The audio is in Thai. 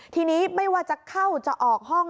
ทีนี้ไม่ว่าจะเข้าจะออกห้อง